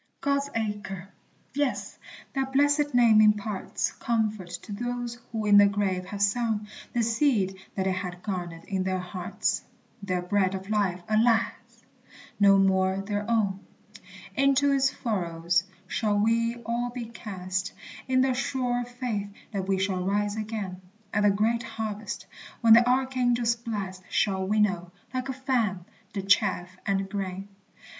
God's Acre! Yes, that blessed name imparts Comfort to those who in the grave have sown The seed that they had garnered in their hearts, Their bread of life, alas! no more their own. Into its furrows shall we all be cast, In the sure faith that we shall rise again At the great harvest, when the archangel's blast Shall winnow, like a fan, the chaff and grain.